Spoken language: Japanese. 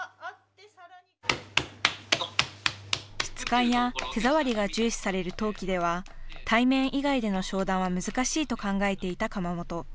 質感や手触りが重視される陶器では、対面以外での商談は難しいと考えていた窯元。